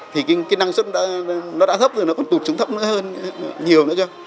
thì cái năng suất nó đã thấp rồi nó còn tụt trứng thấp nữa hơn nhiều nữa chứ